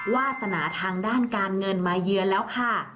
วาสนาทางด้านการเงินมาเยือนแล้วค่ะ